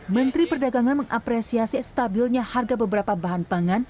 menteri perdagangan mengapresiasi stabilnya harga beberapa bahan pangan